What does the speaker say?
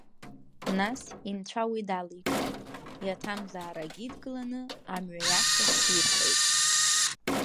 Нас инцәа уи даликааит, иаҭамзаарагьы идкыланы амҩа иашахь дирхеит.